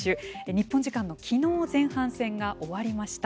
日本時間の昨日前半戦が終わりました。